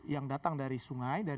yang datang dari sungai